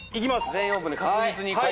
「全員オープン」で確実にいこう。